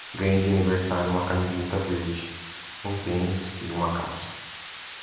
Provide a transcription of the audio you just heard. Ganhei de aniversário uma camiseta verde, um tênis e uma calça.